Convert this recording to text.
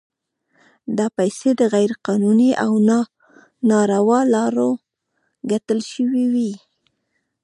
دا پیسې د غیر قانوني او ناروا لارو ګټل شوي وي.